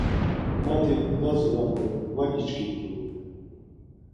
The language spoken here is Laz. Mati Lazi na bore var giçkit̆ui?